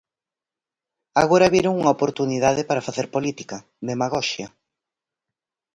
Agora viron unha oportunidade para facer política, demagoxia.